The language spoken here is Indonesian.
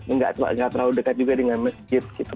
nggak terlalu dekat juga dengan masjid gitu